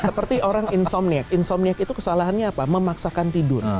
seperti orang insomniac insomniac itu kesalahannya apa memaksakan tidur